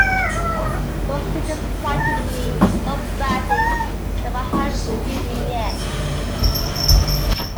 Those creatures frightened me so badly that my heart is beating yet.